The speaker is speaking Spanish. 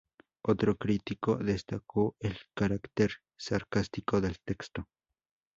Otro crítico destacó el carácter sarcástico del texto.